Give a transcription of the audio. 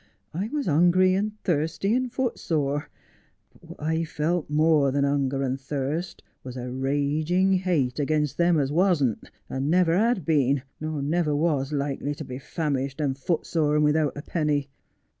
I was hungry and thirsty and footsore ; but what I felt more than hunger and thirst was a raging hate against them as wasn't, and never had been, nor never was likely to be famished and footsore and without a penny.